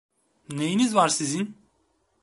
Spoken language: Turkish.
Neyiniz var sizin?